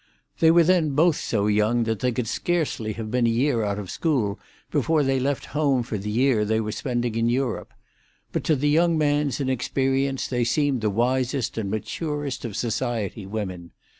They were then both so young that they could scarcely have been a year out of school before they left home for the year they were spending in Europe; but to the young man's inexperience they seemed the wisest and maturest of society women.